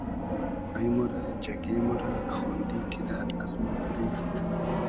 جای مۉ رۂ جئگې مۉ رۂ خۉندی کیدۂ از مۉ گیریفت